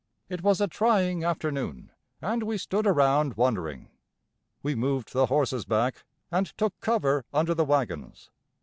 It was a trying afternoon, and we stood around wondering. We moved the horses back, and took cover under the wagons.